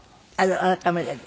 あのカメラで。